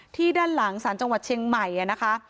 ด้านหลังสารจังหวัดเชียงใหม่นะคะ